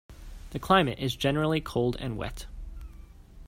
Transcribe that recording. The climate is generally cold and wet.